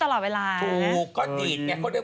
ใช่แล้วเคยเห็นเป็นแบบ